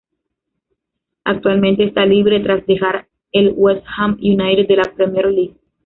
Actualmente está libre tras dejar el West Ham United de la Premier League.